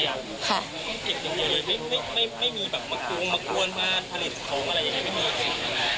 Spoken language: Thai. เก็บอย่างไรเลยไม่มีแบบมากรวงมากรวงมาผลิตของอะไรอย่างไร